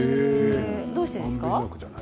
どうしてですか？